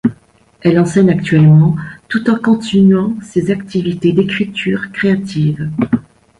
Elle enseigne actuellement tout en continuant ses activités d'écriture créative.